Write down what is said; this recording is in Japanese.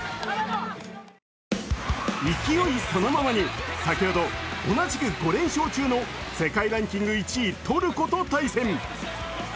勢いそのままに、先ほど同じく５連勝中の世界ランキング１位、トルコと対戦。